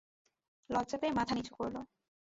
লজ্জা পেয়ে মাথা নিচু করল।